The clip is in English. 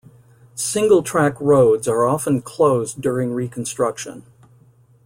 Single track roads are often closed during reconstruction.